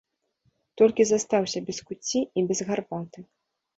Толькі застаўся без куцці і без гарбаты.